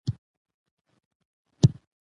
بيا مې تور لېمه دي ستا د زلفو تور سنبل